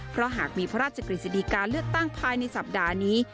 เพราะหากมีพระราชกฤษฎีการเลือกตั้งภายในสัปดาห์นี้